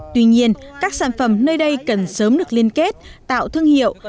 tuy nhiên các sản phẩm nơi đây cần sớm được liên kết tạo thương hiệu